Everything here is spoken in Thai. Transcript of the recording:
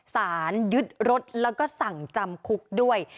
สารยึดรถแล้วก็สั่งจำคุกด้วย